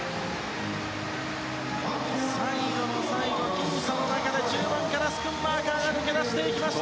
最後の最後、僅差の中で中盤からスクンマーカーが抜け出していきました。